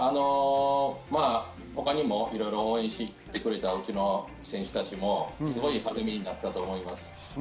まぁ他にもいろいろ応援してくれたうちの選手たちも励みになったと思います。